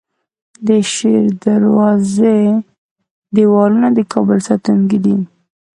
د شیردروازې دیوالونه د کابل ساتونکي وو